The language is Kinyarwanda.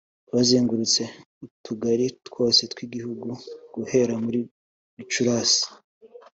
Bazengurutse utugari twose tw’igihugu guhera muri Gicurasi